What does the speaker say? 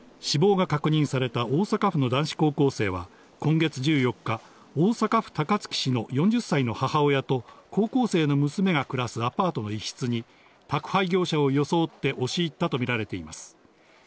死亡が確認された大阪府の男子高校生は今月１４日、大阪府高槻市の４０歳の母親と高校生の娘が暮らすアパートの一室に宅配業者を装ってを押し入ったとみられています。